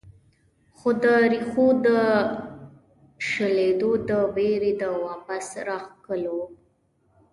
خو د ريښو د شلېدو د وېرې د واپس راښکلو